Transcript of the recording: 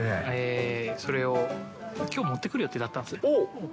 それをきょう持ってくる予定だったんですよ。